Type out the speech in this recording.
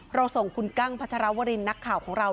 ส่งคุณกั้งพัชรวรินนักข่าวของเรา